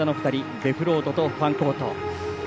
デフロートとファンコート。